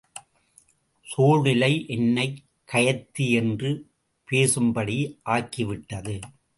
சூழ்நிலை என்னைக் கயத்தி என்று பேசும்படி ஆக்கிவிட்டது.